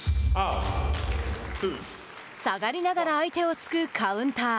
下がりながら相手を突くカウンター。